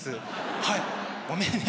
はいごめんね。